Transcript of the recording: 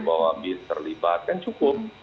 bahwa bin terlibat kan cukup